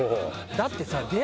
だってさ。